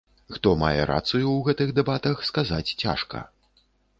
Хто мае рацыю ў гэтых дэбатах, сказаць цяжка.